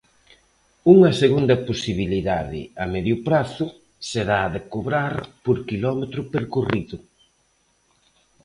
Unha segunda posibilidade, a medio prazo, será a de cobrar por quilómetro percorrido.